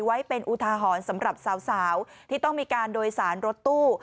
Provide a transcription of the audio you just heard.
ไว้เป็นอุทาหรณ์สำหรับสาวที่ต้องมีการโดยสารรถตู้